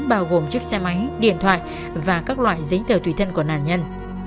bao gồm chiếc xe máy điện thoại và các loại giấy tờ tùy thân của nạn nhân